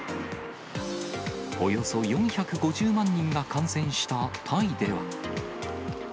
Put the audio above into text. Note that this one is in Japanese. およそ４５０万人が感染したタイでは。